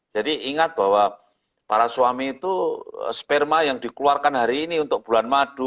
jadi ingat bahwa para suami itu sperma yang dikeluarkan hari ini untuk bulan madu